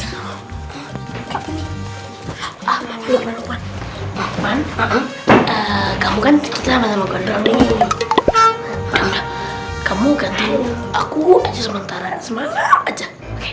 ah lupa lupa bapak kamu kan kita mau gede kamu kan aku sementara semangat aja